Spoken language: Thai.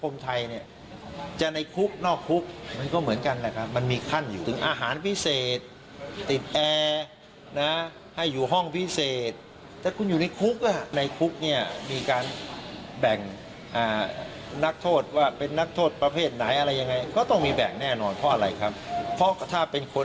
แล้วก็ผมว่าจริงนะมันอันตรายมาก